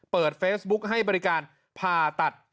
เปิดเฟซบุ๊คให้บริการผ่าตัด